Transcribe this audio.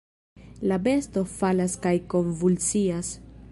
La besto falas kaj konvulsias.